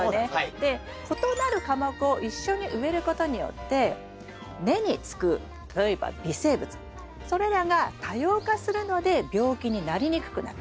で異なる科目を一緒に植えることによって根につく例えば微生物それらが多様化するので病気になりにくくなる。